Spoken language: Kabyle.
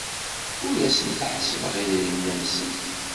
Ur asen-ḥessbeɣ idrimen-nsen.